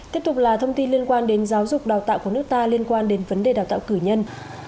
tiếp tục là thông tin liên quan đến giáo dục đào tạo của nước ta liên quan đến vấn đề đào tạo cử nhân